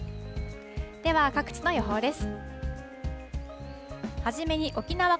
では、各地の予報です。